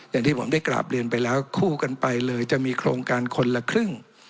อย่างที่ผมได้กราบเรียนไปแล้วคู่กันไปเลยจะมีโครงการคนละครึ่ง